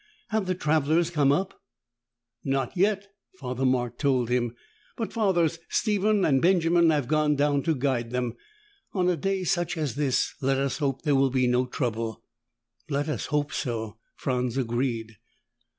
"Have the travelers come up?" "Not yet," Father Mark told him. "But Fathers Stephen and Benjamin have gone down to guide them. On a day such as this, let us hope there will be no trouble." "Let us hope so," Franz agreed.